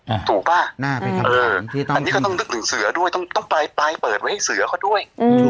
เอ่อถูกป้ะอันนี้ก็ต้องนึกถึงเสือด้วยต้องไปเปิดไว้ให้เสือเขาด้วย